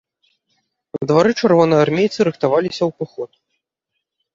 На двары чырвонаармейцы рыхтаваліся ў паход.